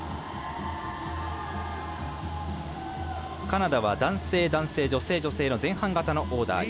カナダは男性、男性女性、女性の前半型のオーダー。